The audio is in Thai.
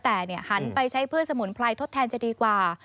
แต่หันไปใช้พืชสมุนไพรทดแทนจะดีกว่า